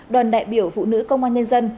đoàn đại biểu phụ nữ công an nhân dân